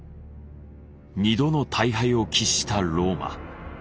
２度の大敗を喫したローマ。